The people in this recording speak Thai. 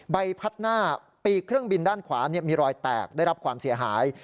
ใบพัดหน้าปีกเครื่องบินด้านขวามีรอยแตกได้รับความเสียหาย